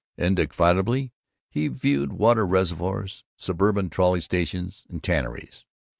Indefatigably he viewed water reservoirs, suburban trolley stations, and tanneries.